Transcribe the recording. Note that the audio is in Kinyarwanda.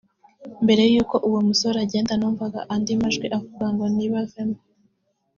Mbere y’uko uwo musore agenda numvaga andi majwi avuga ngo ‘nibavemo